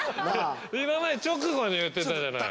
今まで直後に言ってたじゃない。